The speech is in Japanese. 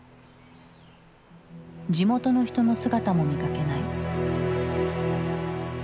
地元の人の姿も見かけない。